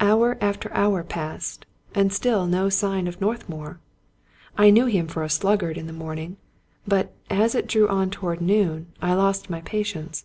Hour after hour passed, and still no sign of Northmour. I knew him for a sluggard in the morning; but, as it drew on toward noon, I lost my patience.